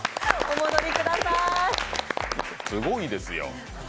すごいですよ。